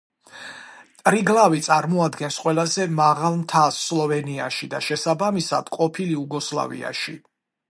ტრიგლავი წარმოადგენს ყველაზე მაღალ მთას სლოვენიაში და შესაბამისად ყოფილ იუგოსლავიაში.